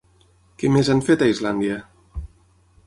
Què més han fet a Islàndia?